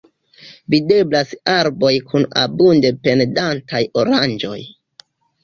Videblas arboj kun abunde pendantaj oranĝoj.